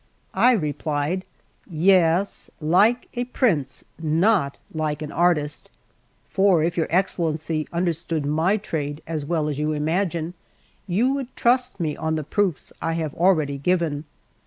I replied: "Yes, like a prince, not like an artist; for if your Excellency understood my trade as well as you imagine, you would trust me on the proofs I have already given.